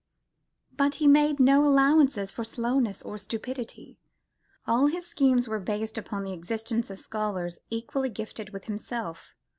But he made no allowances for slowness or stupidity: all his schemes were based upon the existence of scholars equally gifted with himself.